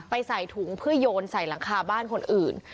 ใส่ถุงเพื่อโยนใส่หลังคาบ้านคนอื่น